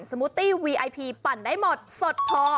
มูตตี้วีไอพีปั่นได้หมดสดพอ